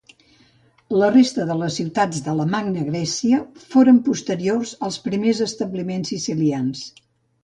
La resta de les ciutats de la Magna Grècia foren posteriors als primers establiments sicilians.